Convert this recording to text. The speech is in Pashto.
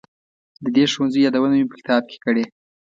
د دې ښوونځي یادونه مې په کتاب کې کړې.